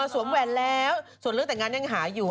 สวมแหวนแล้วส่วนเรื่องแต่งงานยังหาอยู่